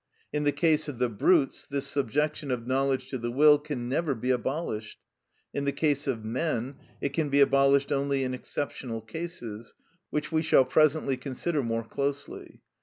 In the case of the brutes this subjection of knowledge to the will can never be abolished. In the case of men it can be abolished only in exceptional cases, which we shall presently consider more closely.